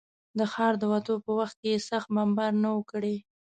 د ښاره د وتو په وخت کې یې سخت بمبار نه و کړی.